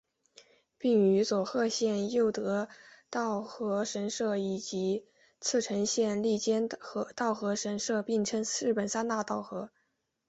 并与佐贺县佑德稻荷神社以及茨城县笠间稻荷神社并称日本三大稻荷。